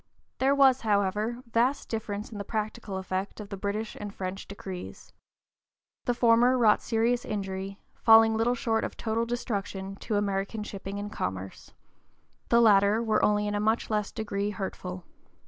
There was, however, vast difference in the practical effect of the British and French decrees. The former wrought serious injury, falling little short of total destruction, to American shipping and commerce; the latter were only in a much less degree hurtful.